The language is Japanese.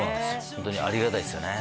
ホントにありがたいっすよね